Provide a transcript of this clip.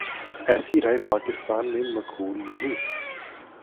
ایسی رائے پاکستان میں مقبول نہیں۔